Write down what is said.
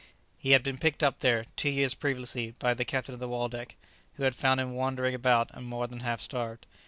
He had been picked up there, two years previously, by the captain of the "Waldeck," who had found him wandering about and more than half starved.